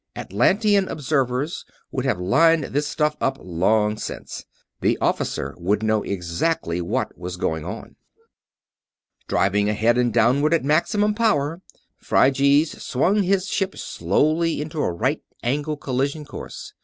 Atlantean observers would have lined this stuff up long since; the Officer would know exactly what was going on. Driving ahead and downward, at maximum power, Phryges swung his ship slowly into a right angle collision course.